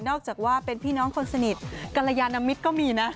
อกจากว่าเป็นพี่น้องคนสนิทกรยานมิตรก็มีนะ